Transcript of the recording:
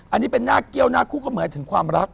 อันนี้เป็นหน้าเกี้ยวหน้าคู่ก็หมายถึงความรัก